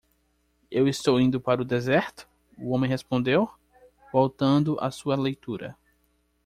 "Eu estou indo para o deserto?" o homem respondeu? voltando a sua leitura.